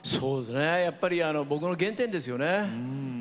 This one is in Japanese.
やっぱり僕の原点ですよね。